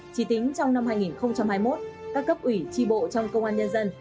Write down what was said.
chỉ tính trong năm hai nghìn hai mươi một các cấp ủy tri bộ trong công an nhân dân